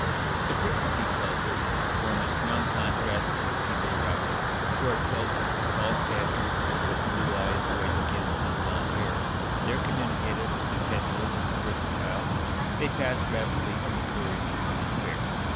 The Bretons, he tells us, form a strong contrast to the people around them, who are "Celts of tall stature, with blue eyes, white skins, and blond hair: they are communicative, impetuous, versatile; they pass rapidly from courage to despair.